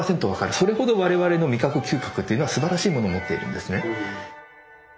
それほど我々の味覚嗅覚っていうのはすばらしいもの持っているんですね。